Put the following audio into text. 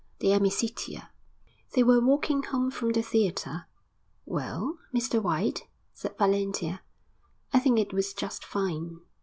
DE AMICITIA I They were walking home from the theatre. 'Well, Mr White,' said Valentia, 'I think it was just fine.'